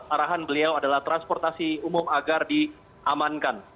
arahan beliau adalah transportasi umum agar diamankan